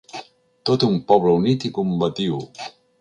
Tot un poble unit i combatiu!